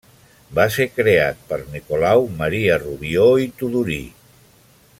Va ser creat al per Nicolau Maria Rubió i Tudurí.